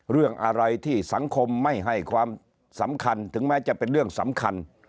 เรื่องอะไรที่สังคมไม่ให้ความสำคัญถึงแม้จะเป็นเรื่องสำคัญ